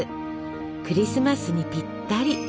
クリスマスにぴったり。